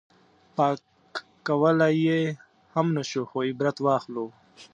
پاک کولی یې هم نه شو خو عبرت واخلو.